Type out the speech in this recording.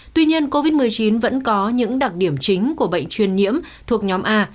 tuy nhiên covid một mươi chín vẫn có những đặc điểm chính của bệnh truyền nhiễm thuộc nhóm a